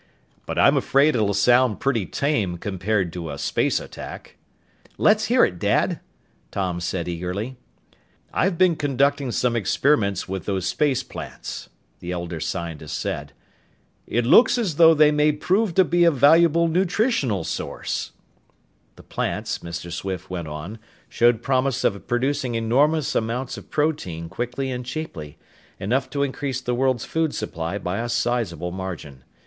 "But I'm afraid it'll sound pretty tame compared to a space attack." "Let's hear it, Dad," Tom said eagerly. "I've been conducting some experiments with those space plants," the elder scientist said. "It looks as though they may prove to be a valuable nutritional source." The plants, Mr. Swift went on, showed promise of producing enormous amounts of protein quickly and cheaply enough to increase the world's food supply by a sizable margin.